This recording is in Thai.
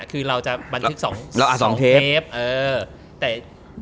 คือเราจะบันทึก๒เทป